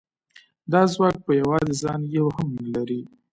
دا ځواک په یوازې ځان یو هم نه لري